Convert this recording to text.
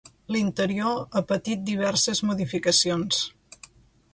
L'interior ha patit diverses modificacions.